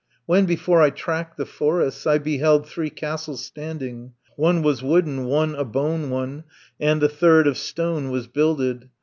"When before I tracked the forests, I beheld three castles standing. One was wooden, one a bone one, And the third of stone was builded.